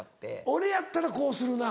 「俺やったらこうするな」。